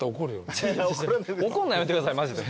怒るのやめてくださいマジで。